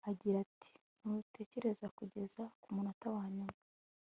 Agira ati Ntutegereze kugeza kumunota wanyuma